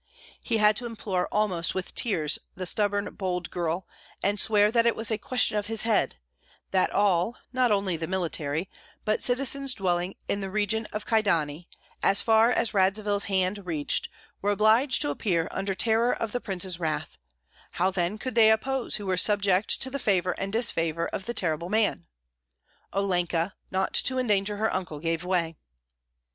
He had to implore almost with tears the stubborn, bold girl, and swear that it was a question of his head; that all, not only the military, but citizens dwelling in the region of Kyedani, as far as Radzivill's hand reached, were obliged to appear under terror of the prince's wrath: how then could they oppose who were subject to the favor and disfavor of the terrible man? Olenka, not to endanger her uncle, gave way.